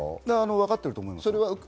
わかってると思います。